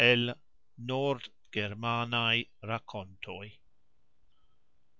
El "Nord germanaj Rakontoj".